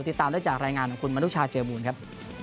ติดตามได้จากรายงานของคุณมนุชาเจอบูรณ์ครับ